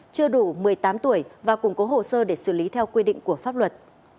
chưa đủ một mươi tám tuổi và củng cố hồ sơ để xử lý theo quy định của pháp luật